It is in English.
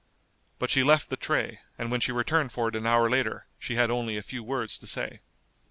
But she left the tray, and when she returned for it an hour later she had only a few words to say.